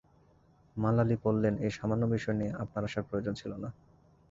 মারলা Lee বললেন, এই সামান্য বিষয় নিয়ে আপনার আসার প্রয়োজন ছিল না।